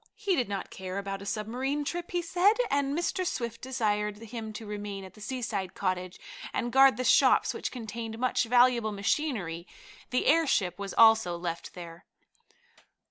He did not care about a submarine trip, he said, and Mr. Swift desired him to remain at the seaside cottage and guard the shops, which contained much valuable machinery. The airship was also left there.